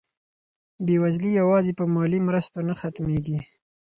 بېوزلي یوازې په مالي مرستو نه ختمېږي.